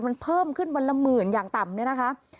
มันเพิ่มขึ้นวันละหมื่นอย่างต่ำเนี่ยนะคะ